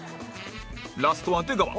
ラストは出川